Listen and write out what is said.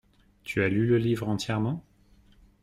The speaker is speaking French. Tu as lu le livre entièrement ?